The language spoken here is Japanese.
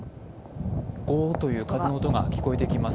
ゴーという風の音が聞こえてきます。